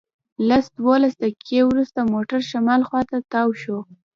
لس دولس دقیقې وروسته موټر شمال خواته تاو شو.